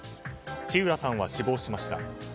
知浦さんは死亡しました。